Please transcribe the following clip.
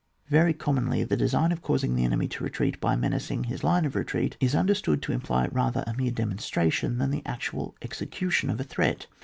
Very commonly the design of. causing the enemy to retreat by menacing his line of retreat, is understood to imply rather a mere demonstration than the actual execution of the threat.